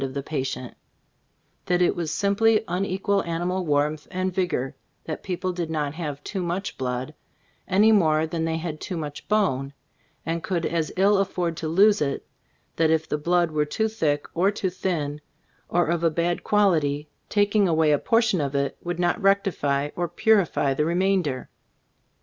of A* Cbf Iftbooft of the patient ; that it was simply un equal animal warmth and vigor — that people did not have too much blood anv more than thev had too much bone, and could as ill afford to lose it; that if the blood were too thick, or too thin, or of a bad quality, tak ing away a portion of it would not rectify or purify the remainder.